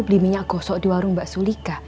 beli minyak gosok di warung bak sulika